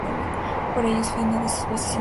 Para ellos fue una de sus voces indispensables.